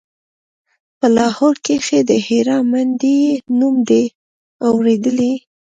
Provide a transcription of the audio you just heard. په لاهور کښې د هيرا منډيي نوم دې اورېدلى.